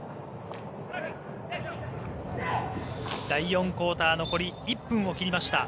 第４クオーター残り１分を切りました。